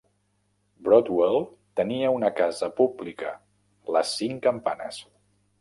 Broadwell tenia una casa pública, les Cinc Campanes.